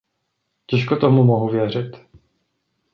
Těžko tomu mohu věřit.